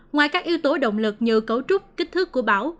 ngoài các yếu tố động lực như cấu trúc kích thước của bão